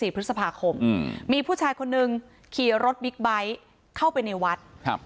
พฤษภาคมมีผู้ชายคนนึงขี่รถบิ๊กไบท์เข้าไปในวัดครับ